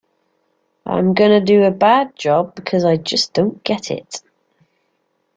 I'm gonna do a bad job, because I just don't get it.